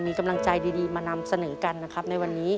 มีกำลังใจดีมานำเสนอกันนะครับในวันนี้